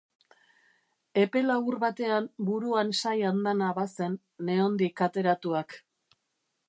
Epe labur baten buruan sai andana bazen, nehondik ateratuak.